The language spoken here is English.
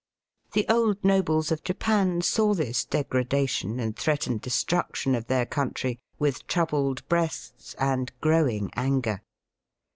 The old nobles of Japan saw this degrada tion and threatened destruction of their country with troubled breasts and growing anger.